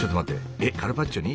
えっカルパッチョに？